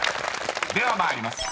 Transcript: ［では参ります。